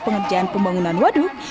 pengerjaan pembangunan waduk